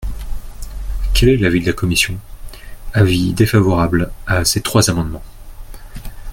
Quel est l’avis de la commission ? Avis défavorable à ces trois amendements.